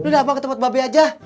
lo udah apa ke tempat babe aja